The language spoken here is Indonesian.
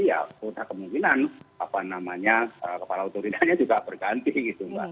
ya sudah kemungkinan apa namanya kepala otorindanya juga berganti gitu mbak